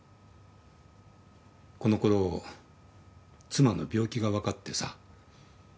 このころ妻の病気がわかってさ。